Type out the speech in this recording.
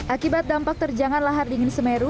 akibat dampak terjangan lahar dingin semeru